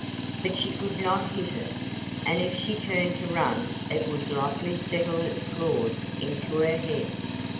But she could not hit it! And if she turned to run it would likely settle its claws into her head.